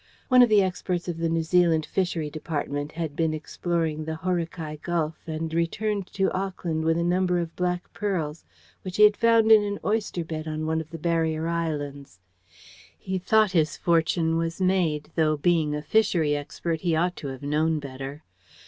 One of the experts of the New Zealand Fishery Department had been exploring the Haurakai Gulf, and returned to Auckland with a number of black pearls, which he had found in an oyster bed on one of the Barrier Islands. He thought his fortune was made, though, being a fishery expert, he ought to have known better.